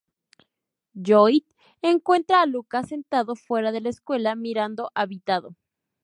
Lloyd encuentra a Lucas sentado fuera de la escuela, mirando abatido.